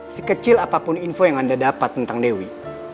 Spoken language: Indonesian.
sekecil apapun info yang anda dapat tentang dewi